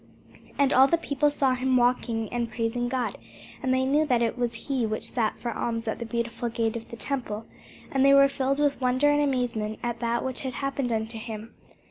And all the people saw him walking and praising God: and they knew that it was he which sat for alms at the Beautiful gate of the temple: and they were filled with wonder and amazement at that which had happened unto him.